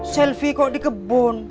selfie kok di kebun